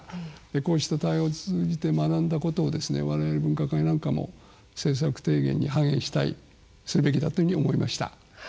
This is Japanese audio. こうした対話を通じて学んだことを我々分科会なんかも政策提言に反映したいするべきだというふうに思いました。